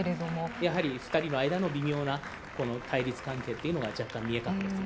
やはり、２人の間の微妙な対立関係というのが若干、見えたんですね。